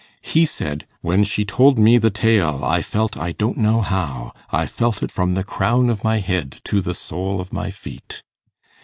He said, "When she told me the tale, I felt I don't know how, I felt it from the crown of my head to the sole of my feet."